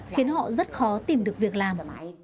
khiến họ rất khó tìm được việc làm